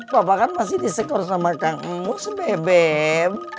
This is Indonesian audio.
bapak kan masih disekor sama kang emus bebek